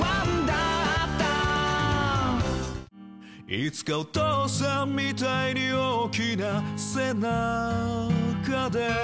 「いつかお父さんみたいに大きな背中で」